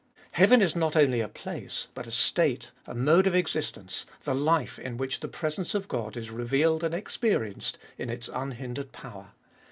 Heaven is not only a place, but a state, a mode of existence, the life in which the presence of God is revealed and experienced in its unhindered power.